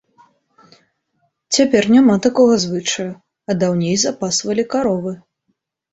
Цяпер няма такога звычаю, а даўней запасвалі каровы.